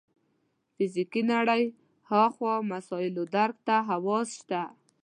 فزیکي نړۍ هاخوا مسایلو درک ته حواس شته.